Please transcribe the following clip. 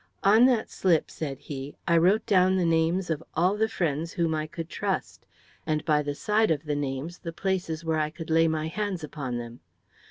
"On that slip," said he, "I wrote down the names of all the friends whom I could trust, and by the side of the names the places where I could lay my hands upon them.